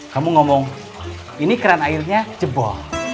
kamu ngomong ini keran airnya jebol